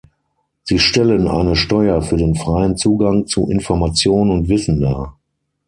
Sie stellen eine Steuer für den freien Zugang zu Information und Wissen dar.